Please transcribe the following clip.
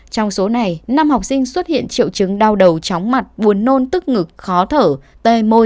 trong số này năm học sinh xuất hiện triệu chứng đau đầu chóng mặt buồn nôn tức ngực khó thở tay môi